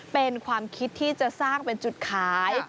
เป็นความคิดที่จะสร้างเป็นจุดขาย